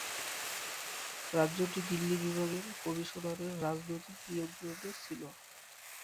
রাজ্যটি দিল্লি বিভাগের কমিশনারের রাজনৈতিক নিয়ন্ত্রণে ছিল।